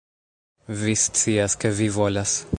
Vi scias, ke vi volas